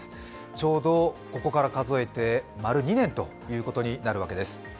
ちょうどここから数えて丸２年ということになるわけです。